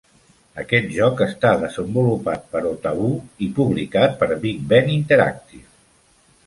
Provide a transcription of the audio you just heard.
Aquest joc està desenvolupat per Otaboo i publicat per BigBen Interactive.